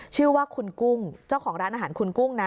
ชื่อว่าคุณกุ้งเจ้าของร้านอาหารคุณกุ้งนะ